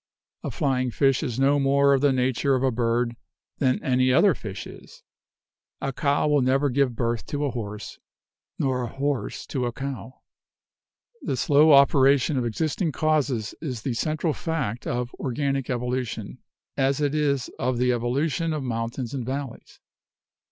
A flying fish is no more of the nature of a bird than any other fish is. A cow will never give birth to a horse, nor a horse to a cow. The slow operation of existing causes is the central fact of organic evolution, as it is of the evolu ORIGIN OF SPECIES 135 tion of mountains and valleys.